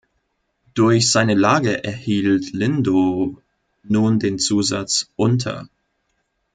Durch seine Lage erhielt Lindow nun den Zusatz "Unter-".